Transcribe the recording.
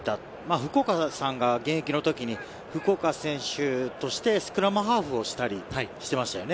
福岡さん、現役の時に福岡選手としてスクラムハーフをしたりしていましたよね。